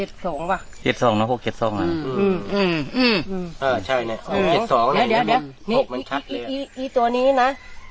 เดี๋ยว๖มันชัดเลยนี่ตัวนี้นะ